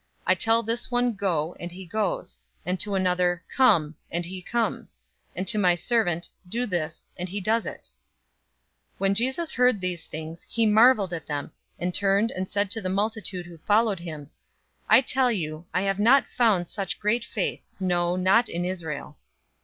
I tell this one, 'Go!' and he goes; and to another, 'Come!' and he comes; and to my servant, 'Do this,' and he does it." 007:009 When Jesus heard these things, he marveled at him, and turned and said to the multitude who followed him, "I tell you, I have not found such great faith, no, not in Israel."